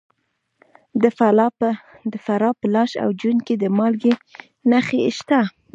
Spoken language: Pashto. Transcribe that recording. د فراه په لاش او جوین کې د مالګې نښې شته.